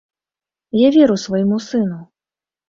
Я веру свайму сыну.